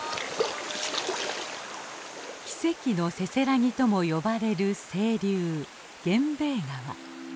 奇跡のせせらぎとも呼ばれる清流源兵衛川。